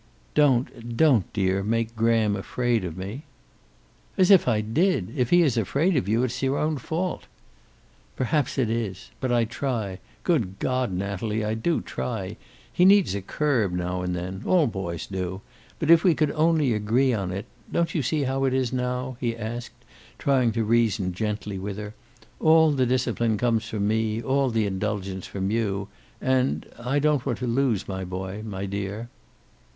"Don't, don't, dear, make Graham afraid of me." "As if I did! If he is afraid of you, it is your own fault" "Perhaps it is. But I try good God, Natalie, I do try. He needs a curb now and then. All boys do. But if we could only agree on it don't you see how it is now?" he asked, trying to reason gently with her. "All the discipline comes from me, all the indulgence from you. And I don't want to lose my boy, my dear."